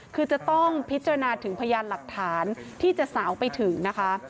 คือจะต้องพิจารณาถึงพยานหลักฐานที่จะสาวไปถึงนะคะ